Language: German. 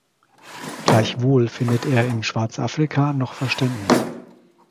Gleichwohl findet er in Schwarzafrika noch Verständnis.